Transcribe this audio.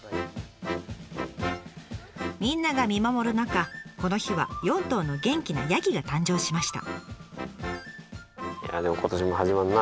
みんなが見守る中この日は４頭の元気なヤギが誕生しました。